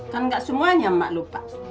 kan gak semuanya mak lupa